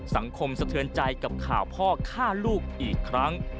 สังคมสะเทือนใจกับข่าวพ่อฆ่าลูกอีกครั้ง